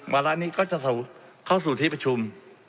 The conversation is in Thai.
วาระนี้ก็จะเข้าสู่ที่ประชุม